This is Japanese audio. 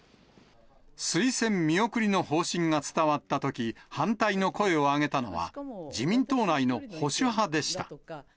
推薦見送りの方針が伝わったとき、反対の声を上げたのは、自民党内の保守派でした。